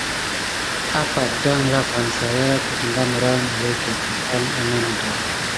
Afate dangla van salala kuzuk wamərah meleket dəpaŋk a namda.